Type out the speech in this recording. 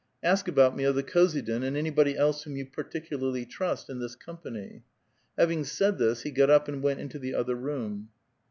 Ask about me of the khozydin^ and anybody else whom you particularly trust, in this company." Having said this, he got up and went into the other room.